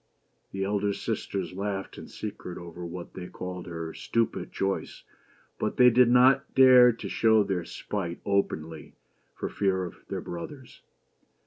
The elder sisters laughed in secret over what they called her stupid choice ; but they did not dare to show their spite openly for fear of their brothers.